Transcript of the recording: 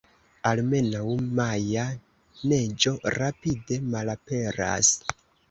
Almenaŭ maja neĝo rapide malaperas!